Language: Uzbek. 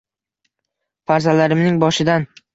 farzandlarimning boshidan